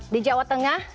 di jawa tengah